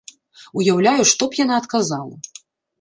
Уяўляю, што б яна адказала!